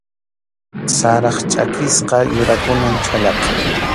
Sarap chʼakisqa yurakunam chhallaqa.